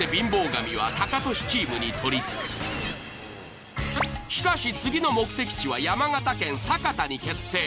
そしてしかし次の目的地は山形県酒田に決定。